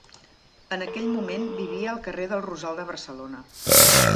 En aquell moment vivia al carrer del Rosal de Barcelona.